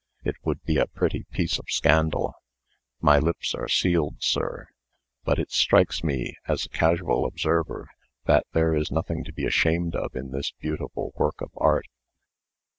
It would be a pretty piece of scandal." "My lips are sealed, sir. But it strikes me, as a casual observer, that there is nothing to be ashamed of in this beautiful work of art."